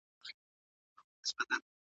تعليم شوې نجونې د ګډو کارونو تنظيم ښه کوي.